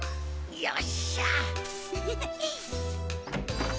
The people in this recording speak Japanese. よっしゃあ！